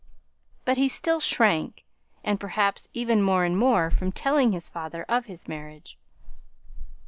But he still shrank, and perhaps even more and more, from telling his father of his marriage.